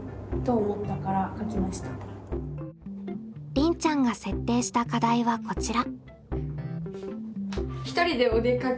りんちゃんが設定した課題はこちら。